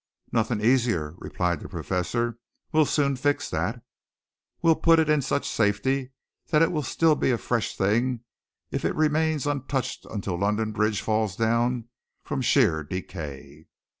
"Nothing easier," replied the Professor. "We'll soon fix that. We'll put it in such safety that it will still be a fresh thing if it remains untouched until London Bridge falls down from sheer decay."